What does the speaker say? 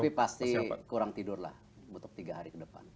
tapi pasti kurang tidur lah butuh tiga hari ke depan